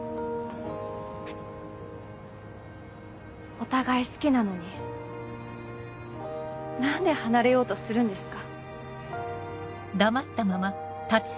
お互い好きなのに何で離れようとするんですか？